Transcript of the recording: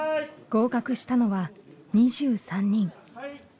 合格したのは２３人。